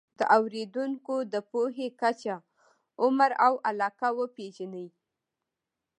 د اورېدونکو د پوهې کچه، عمر او علاقه وپېژنئ.